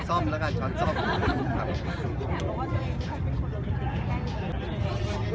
ฉันผ่านการนะเลย